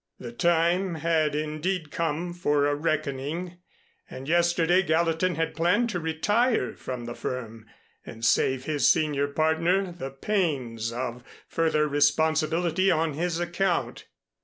The time had indeed come for a reckoning, and yesterday Gallatin had planned to retire from the firm and save his senior partner the pains of further responsibility on his account.